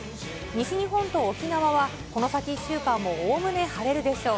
西日本と沖縄は、この先１週間もおおむね晴れるでしょう。